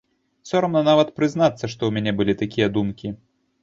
Сорамна нават прызнацца, што ў мяне былі такія думкі.